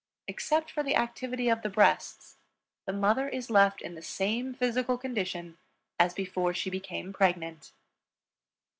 Except for the activity of the breasts, the mother is left in the same physical condition as before she became pregnant.